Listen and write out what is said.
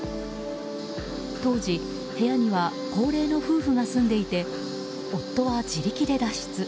当時、部屋には高齢の夫婦が住んでいて夫は自力で脱出。